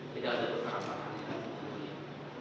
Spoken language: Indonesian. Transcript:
tidak ada kekerasan